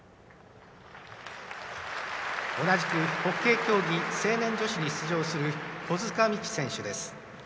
同じくホッケー競技成年女子に出場する狐塚美樹選手です。